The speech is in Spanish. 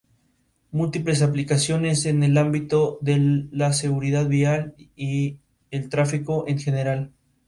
Múltiples aplicaciones en el ámbito de la seguridad vial y el tráfico en general.